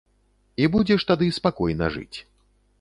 І будзеш тады спакойна жыць.